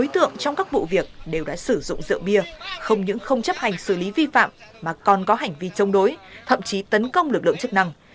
trong các vụ việc đều đã sử dụng rượu bia không những không chấp hành xử lý vi phạm mà còn có hành vi chống đối thậm chí tấn công lực lượng chức năng